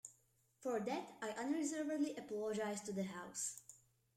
For that I unreservedly apologise to the House.